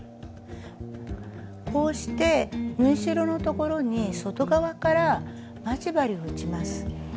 こうして縫い代の所に外側から待ち針を打ちます。